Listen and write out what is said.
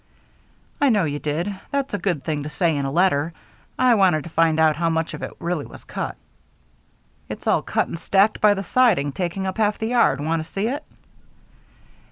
"I know you did. That's a good thing to say in a letter. I wanted to find out how much of it really was cut." "It's all cut and stacked by the siding, taking up half the yard. Want to see it?"